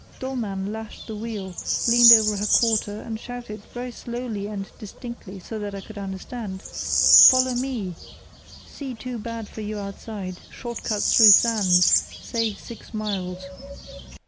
Dollmann lashed the wheel, leaned over her quarter, and shouted, very slowly and distinctly so that I could understand; 'Follow me—sea too bad for you outside—short cut through sands—save six miles.